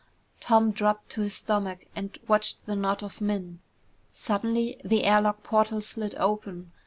Tom dropped to his stomach and watched the knot of men. Suddenly the air lock portal slid open.